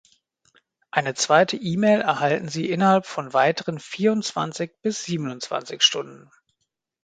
Eine zweite E-Mail erhalten Sie innerhalb von weiteren vierundzwanzig bis zweiundsiebzig Stunden.